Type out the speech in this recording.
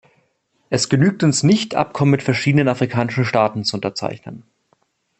Es genügt uns nicht, Abkommen mit verschiedenen afrikanischen Staaten zu unterzeichnen.